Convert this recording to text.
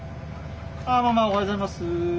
あママおはようございます。